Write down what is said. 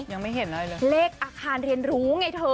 ยังไม่เห็นอะไรเลยเลขอาคารเรียนรู้ไงเธอ